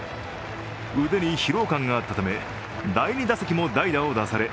腕に疲労感があったため第２打席も代打を出され